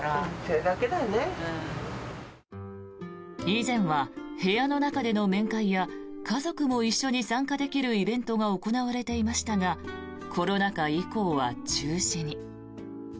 以前は部屋の中での面会や家族も一緒に参加できるイベントが行われていましたがコロナ禍以降は中止に。